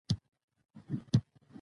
د خلګو په شخصي ژوند کي مداخله مه کوه.